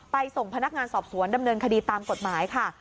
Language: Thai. ส่งพนักงานสอบสวนดำเนินคดีตามกฎหมายค่ะ